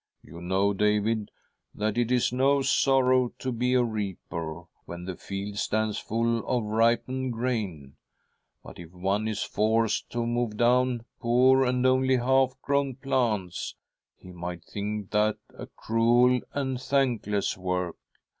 You know, David, that it is no sorrow to be a reaper when the field stands full of ripened grain ; but if one is forced to mow down poor and only half grown plants, he might think that a cruel and thankless work.